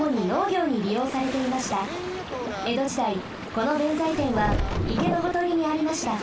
江戸時代この弁財天はいけのほとりにありました。